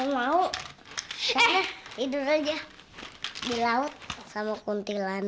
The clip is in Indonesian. gak mau karena tidur aja di laut sama kuntilan